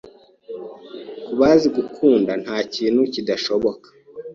Kubazi gukunda, ntakintu kidashoboka